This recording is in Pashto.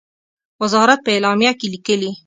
وزارت په اعلامیه کې لیکلی،